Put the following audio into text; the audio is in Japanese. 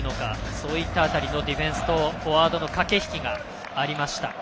そういった辺りのディフェンスとフォワードの駆け引きがありました。